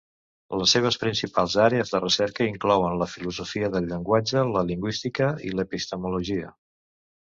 Les seves principals àrees de recerca inclouen la filosofia del llenguatge, la lingüística i l'epistemologia.